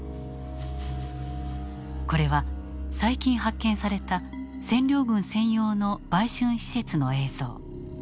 これは最近発見された占領軍専用の売春施設の映像。